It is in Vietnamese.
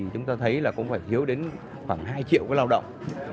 chúng ta thấy cũng phải thiếu đến khoảng hai triệu lao động